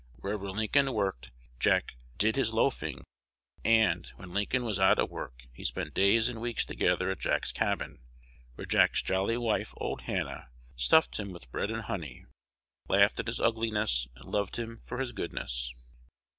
Wherever Lincoln worked, Jack "did his loafing;" and, when Lincoln was out of work, he spent days and weeks together at Jack's cabin, where Jack's jolly wife, "old Hannah," stuffed him with bread and honey, laughed at his ugliness, and loved him for his goodness.